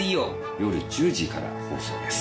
夜１０時から放送です。